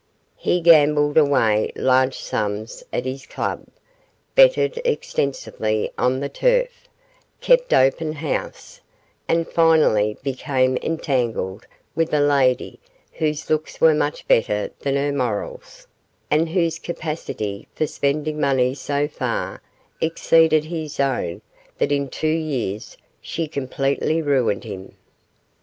He gambled away large sums at his club, betted extensively on the turf, kept open house, and finally became entangled with a lady whose looks were much better than her morals, and whose capacity for spending money so far exceeded his own that in two years she completely ruined him.